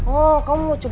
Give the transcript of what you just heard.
oh kamu mau cukup